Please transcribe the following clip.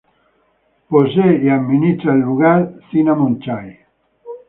El lugar es poseído y administrado por Cinnamon Chai.